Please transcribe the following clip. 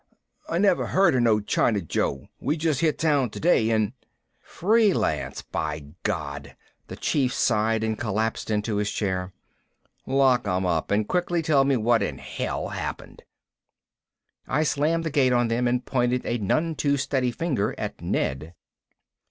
"I never heard from no China Joe. We just hit town today and " "Freelance, by God," the Chief sighed and collapsed into his chair. "Lock 'em up and quickly tell me what in hell happened." I slammed the gate on them and pointed a none too steady finger at Ned.